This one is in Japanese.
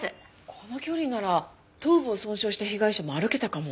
この距離なら頭部を損傷した被害者も歩けたかも。